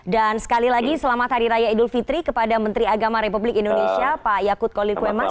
dan sekali lagi selamat hari raya idul fitri kepada menteri agama republik indonesia pak yakut kolir kwemas